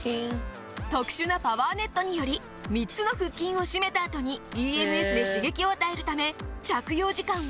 特殊なパワーネットにより３つの腹筋を締めたあとにＥＭＳで刺激を与えるため。